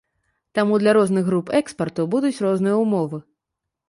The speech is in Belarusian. Таму для розных груп экспарту будуць розныя ўмовы.